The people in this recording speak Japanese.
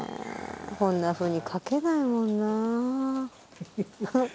こんなふうに書けないもんな。